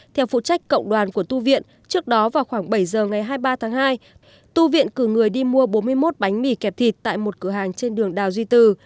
theo phụ trách cộng đoàn của tu viện trước đó vào khoảng bảy giờ ngày hai mươi ba tháng hai tu viện cử người đi mua bốn mươi một bánh mì kẹp thịt tại một cửa hàng trên đường đào duy từ